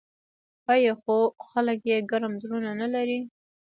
آیا خو خلک یې ګرم زړونه نلري؟